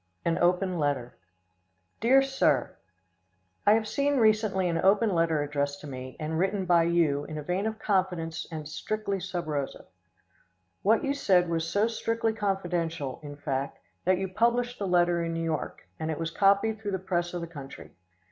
[An Open Letter.] Dear Sir: I have seen recently an open letter addressed to me, and written by you in a vein of confidence and strictly sub rosa. What you said was so strictly confidential, in fact, that you published the letter in New York, and it was copied through the press of the country.